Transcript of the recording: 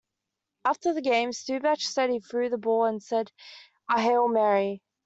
After the game, Staubach said he threw the ball and said a "Hail Mary.